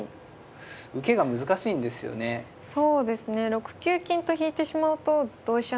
６九金と引いてしまうと同飛車